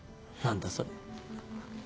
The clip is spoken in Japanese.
何だそれ。